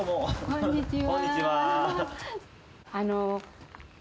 こんにちは。